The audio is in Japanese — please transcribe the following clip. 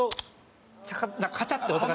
カチャッて音がしてね。